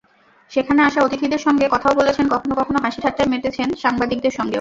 সেখানে আসা অতিথিদের সঙ্গে কথাও বলেছেন, কখনো কখনো হাসি-ঠাট্টায় মেতেছেন সাংবাদিকদের সঙ্গেও।